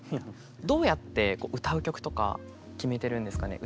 どうやって歌う曲とか決めてるんですかね？